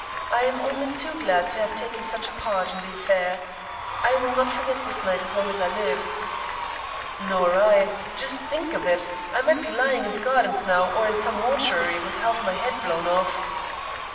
I am only too glad to have taken such a part in the affair. I will not forget this night as long as I live." "Nor I. Just think of it. I might be lying in the gardens now, or in some mortuary, with half my head blown off."